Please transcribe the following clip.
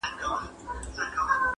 د پاچا په امیرانو کي امیر وو.!